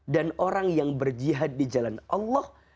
dan orang yang berjihad di jalan allah